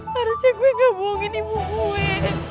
harusnya gue gak buangin ibu gue